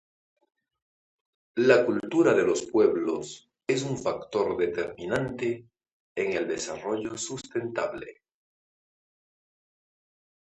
La cultura de los pueblos es un factor determinante en el desarrollo sustentable.